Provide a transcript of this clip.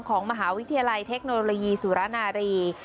ของมหาวิทยาลัยเทคโนโลยีสุรนารี